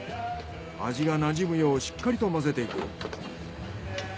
味がなじむようしっかりと混ぜていく。